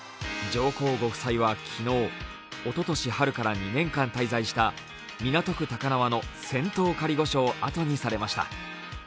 上皇御夫妻は昨日、おととし春から２年間滞在した港区高輪の仙洞仮御所をあとにされました。